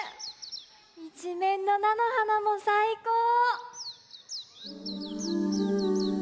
いちめんのなのはなもさいこう！